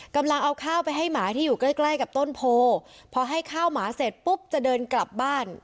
กำลังเอาข้าวไปให้หมาที่อยู่ใกล้ใกล้กับต้นโพพอให้ข้าวหมาเสร็จปุ๊บจะเดินกลับบ้าน